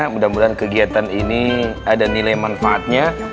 mudah mudahan kegiatan ini ada nilai manfaatnya